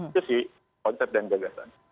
itu sih konsep dan gagasan